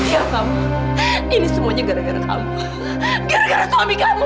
ya kamu ini semuanya gara gara kamu gara gara suami kamu